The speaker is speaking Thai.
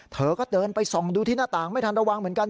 เธอก็เดินไปส่องดูที่หน้าต่างไม่ทันระวังเหมือนกัน